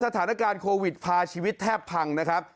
สถานการณ์โควิดพาชีวิตแทบพังนะครับ